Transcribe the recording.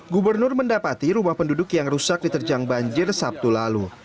gubernur mendapati rumah penduduk yang rusak diterjang banjir sabtu lalu